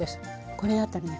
これだったらね